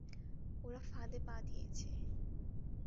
ওরা ফাঁদে পা দিয়েছে!